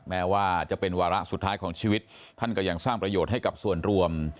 แม้ว่าจะเป็นวาระสุดท้ายของชีวิตท่านก็ยังสร้างประโยชน์ให้กับส่วนรวม